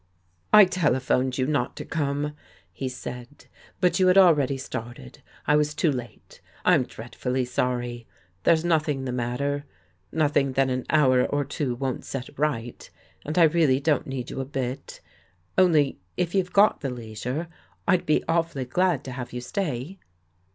'' I telephoned you not to come," he said, " but you had already started. I was too late. I'm dreadfully sorry. There's nothing the matter — nothing that an hour or two won't set right. And I really don't need you a bit. Only, if you've got the leisure. I'd be awfully glad to have you stay."